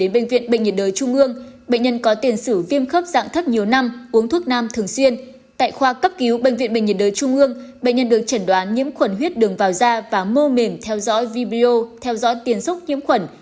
bệnh nhân được chẩn đoán nhiễm khuẩn huyết đường vào da và mô mềm theo dõi vibrio theo dõi tiền sốc nhiễm khuẩn